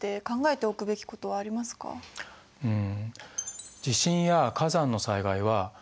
うん。